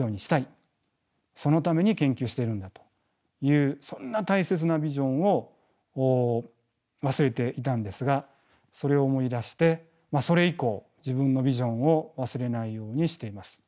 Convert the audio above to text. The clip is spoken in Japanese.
そのために研究してるんだというそんな大切なビジョンを忘れていたんですがそれを思い出してそれ以降自分のビジョンを忘れないようにしています。